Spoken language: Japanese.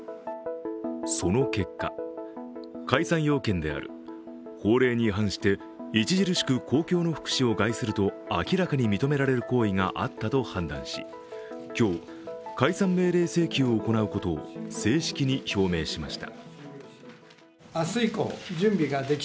その結果、解散要件である法令に違反して著しく公共の福祉を害すると明らかに認められる行為があったと判断し今日、解散命令請求を行うことを正式に表明しました。